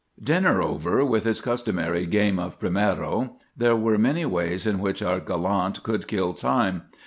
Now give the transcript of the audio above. Dinner over, with its customary game of primero, there were many ways in which our gallant could kill time.